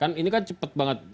kan ini kan cepet banget